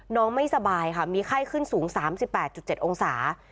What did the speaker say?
น้องไม่สบายค่ะมีไข้ขึ้นสูงสามสิบแปดจุดเจ็ดองศา